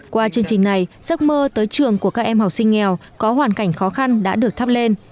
qua chương trình này giấc mơ tới trường của các em học sinh nghèo có hoàn cảnh khó khăn đã được thắp lên